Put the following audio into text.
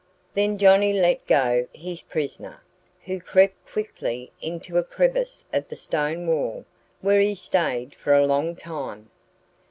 Then Johnnie let go his prisoner, who crept quickly into a crevice of the stone wall, where he stayed for a long time.